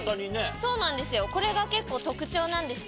そうなんですよ